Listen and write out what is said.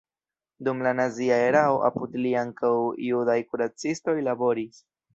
Dum la nazia erao apud li ankaŭ judaj kuracistoj laboris.